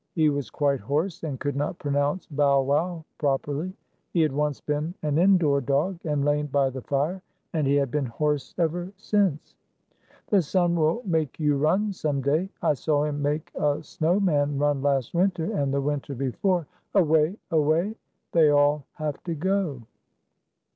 He was quite hoarse, and could not pronounce, " Bow wow," properly. He had once been an indoor dog, and lain by the fire, and he had been hoarse ever since. "The sun will make you run some day. I saw him make a snow man run last winter, and the winter before. Away! Away! They all have to go."